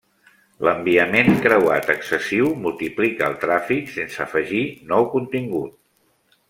L'enviament creuat excessiu multiplica el tràfic sense afegir nou contingut.